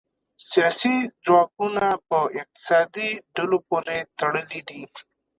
سیاسي ځواکونه په اقتصادي ډلو پورې تړلي دي